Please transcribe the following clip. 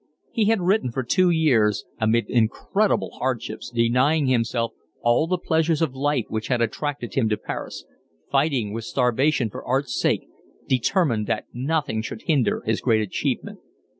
He had written for two years, amid incredible hardships, denying himself all the pleasures of life which had attracted him to Paris, fighting with starvation for art's sake, determined that nothing should hinder his great achievement.